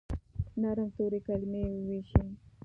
نرم توري، کلیمې وویشي